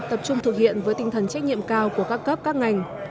tập trung thực hiện với tinh thần trách nhiệm cao của các cấp các ngành